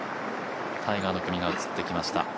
タイガーの組が移ってきました。